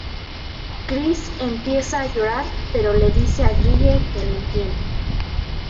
Cris empieza a llorar pero le dice a Guille que lo entiende.